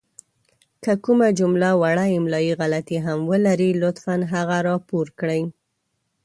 که کومه جمله وړه املائې غلطې هم ولري لطفاً هغه راپور کړئ!